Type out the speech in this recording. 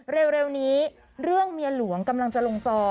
เร็วนี้เรื่องเมียหลวงกำลังจะลงจอ